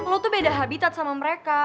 lu tuh beda habitat sama mereka